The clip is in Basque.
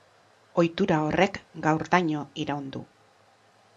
Ohitura horrek gaurdaino iraun du.